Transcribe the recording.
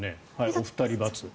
お二人、×。